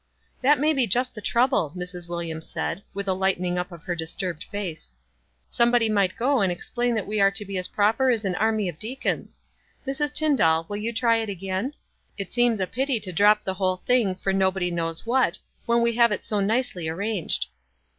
"That may be just the trouble," Mrs. Wil liams said, with a lighting up of her disturbed face. "Somebody might go and explain that we are to be as proper as an army of deacons. Mrs. Tyndall, will you try it again? It seems a pity to drop the whole thing, for nobod knows what, when we have it so nicely ai ranged."